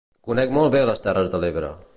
Conec molt bé les Terres de l'Ebre.